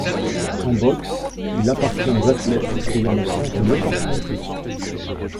En boxe, il appartient aux athlètes ayant le sens de l’opportunité.